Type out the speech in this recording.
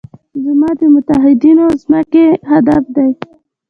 زموږ د متحدینو ځمکې هدف دی.